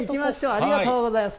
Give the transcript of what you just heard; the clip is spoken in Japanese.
ありがとうございます。